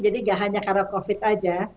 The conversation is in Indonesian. jadi tidak hanya karena covid sembilan belas saja